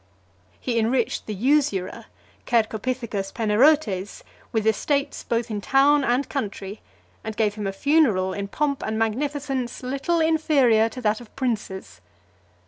He enriched the usurer Cercopithecus Panerotes with estates both in town and country; and gave him a funeral, in pomp and magnificence little inferior to that of princes.